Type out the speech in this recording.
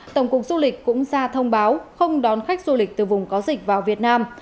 tổng cục du lịch cũng ra thông báo không đón khách du lịch từ vùng có dịch vào việt nam